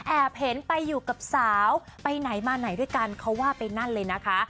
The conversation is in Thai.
เห็นไปอยู่กับสาวไปไหนมาไหนด้วยกันเขาว่าไปนั่นเลยนะคะ